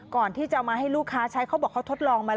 ก่อนที่จะเอามาให้ลูกค้าใช้เขาบอกเขาทดลองมาแล้ว